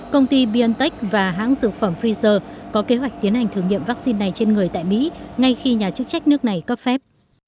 công ty biontech và hãng dược phẩm pfizer có kế hoạch tiến hành thử nghiệm vaccine này trên người tại mỹ ngay khi nhà chức trách nước này cấp phép